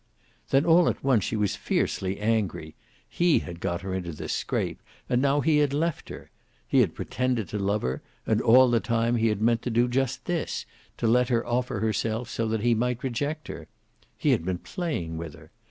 Then, all at once, she was fiercely angry. He had got her into this scrape, and now he had left her. He had pretended to love her, and all the time he had meant to do just this, to let her offer herself so he might reject her. He had been playing with her.